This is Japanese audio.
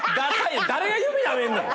誰が指なめんねん。